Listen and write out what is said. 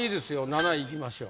７位いきましょう。